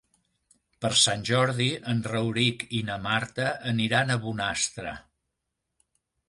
Per Sant Jordi en Rauric i na Marta aniran a Bonastre.